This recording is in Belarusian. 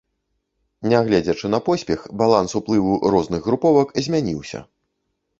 Нягледзячы на поспех баланс уплыву розных груповак змяніўся.